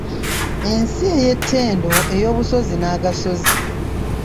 Ensi ey’ettendo ey’obusozi n’agasozi.